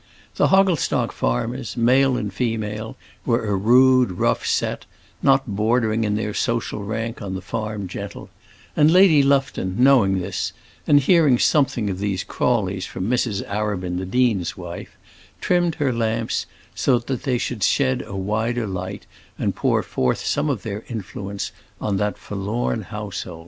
The Hogglestock farmers, male and female, were a rude, rough set, not bordering in their social rank on the farmer gentle; and Lady Lufton, knowing this, and hearing something of these Crawleys from Mrs. Arabin, the dean's wife, trimmed her lamps, so that they should shed a wider light, and pour forth some of their influence on that forlorn household.